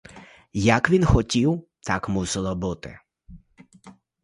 Як він хотів, так мусило бути.